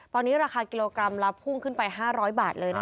ตอนนี้ราคากิโลกรัมละพุ่งขึ้นไป๕๐๐บาทเลยนะคะ